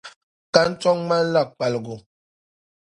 Kantɔŋ ŋmani la kpaligu.